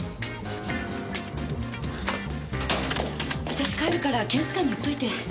私帰るから検視官に言っておいて。